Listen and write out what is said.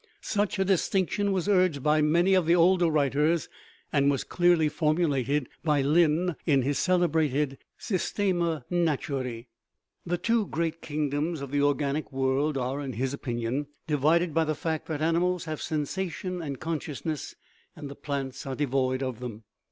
Such a distinc tion was urged by many of the older writers, and was clearly formulated by Linn6 in his celebrated Sy sterna Naturae ; the two great kingdoms of the organic world are, in his opinion, divided by the fact that animals have sensation and consciousness, and the plants are devoid of them.